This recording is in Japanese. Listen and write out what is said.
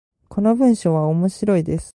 この文章は面白いです。